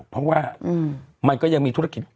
เพราะว่ามันก็ยังมีธุรกิจ